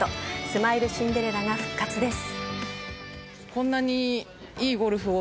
スマイルシンデレラが復活です。